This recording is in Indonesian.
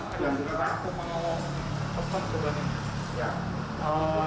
aku mau pesan coba nih